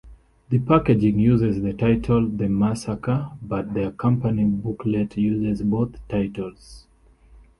The packaging uses the title "The Massacre", but the accompanying booklet uses both titles.